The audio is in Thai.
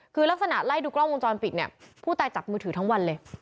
คือลักษณะไล่ดูกล้องวงจรปิดเนี่ยผู้ตายจับมือถือทั้งวันเลย